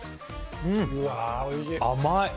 甘い！